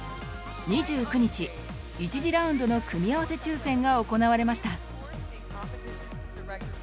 ２９日、１次ラウンドの組み合わせ抽せんが行われました。